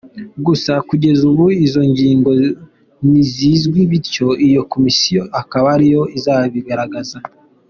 Gusa kugeza ubu izo ngingo ntizizwi; bityo iyi Komisiyo akaba ariyo izazigaragaza.